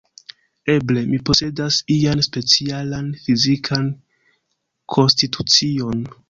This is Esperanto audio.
Eble, mi posedas ian specialan fizikan konstitucion?